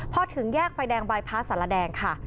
พอถึงแยกไฟแดงบายพ้าสารแดงค่ะ